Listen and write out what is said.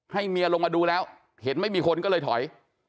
เมียลงมาดูแล้วเห็นไม่มีคนก็เลยถอย